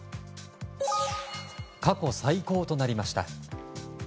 過去最高となりました。